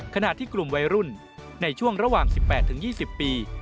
ขณะที่กลุ่มวัยรุ่นในช่วงระหว่าง๑๘๒๐ปี